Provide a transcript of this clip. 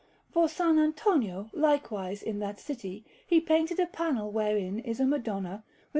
For S. Antonio, likewise in that city, he painted a panel wherein is a Madonna, with S.